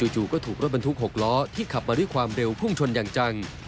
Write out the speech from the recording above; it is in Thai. จู่ก็ถูกรถบรรทุก๖ล้อที่ขับมาด้วยความเร็วพุ่งชนอย่างจัง